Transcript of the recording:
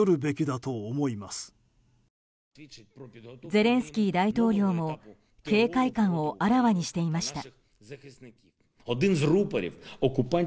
ゼレンスキー大統領も警戒感をあらわにしていました。